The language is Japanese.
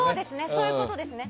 そういうことですね。